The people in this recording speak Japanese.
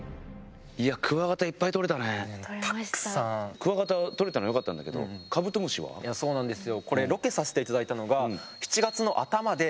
クワガタとれたのよかったんだけどいやそうなんですよ。